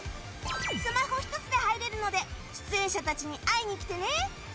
スマホ１つで入れるので出演者たちに会いに来てね！